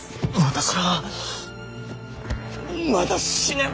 私はまだ死ねん。